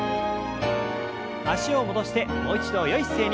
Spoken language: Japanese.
脚を戻してもう一度よい姿勢に。